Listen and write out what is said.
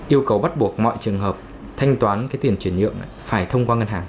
yêu cầu bắt buộc mọi trường hợp thanh toán cái tiền chuyển nhượng phải thông qua ngân hàng